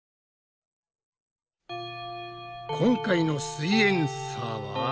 今回の「すイエんサー」は。